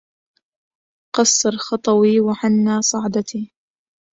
قصر خطوي وحنا صعدتي